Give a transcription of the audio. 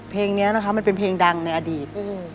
เพลงนี้นะคะมันเป็นเพลงดังในอดีต